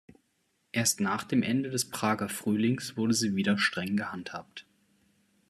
Erst nach dem Ende des Prager Frühlings wurde sie wieder streng gehandhabt.